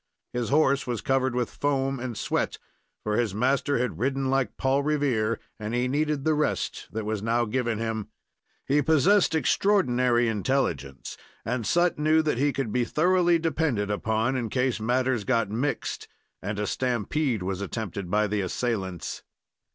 His horse was covered with foam and sweat, for his master had ridden like Paul Revere, and he needed the rest that was now given him. He possessed extraordinary intelligence, and Sut knew that he could be thoroughly depended upon in case matters got mixed, and a stampede was attempted by the assailants.